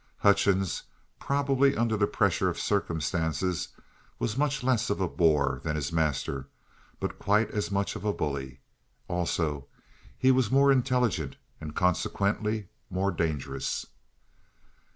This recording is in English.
Hutchings, probably under the pressure of circumstances, was much less of a bore than his master, but quite as much of a bully. Also, he was more intelligent, and consequently more dangerous.